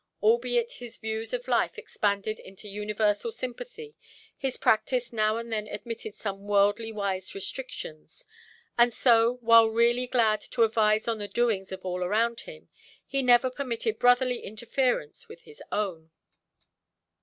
Albeit his views of life expanded into universal sympathy, his practice now and then admitted some worldly–wise restrictions. And so, while really glad to advise on the doings of all around him, he never permitted brotherly interference with his own.